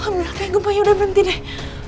alhamdulillah kayaknya gempa udah berhenti deh